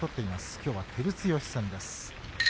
きょうは照強戦です。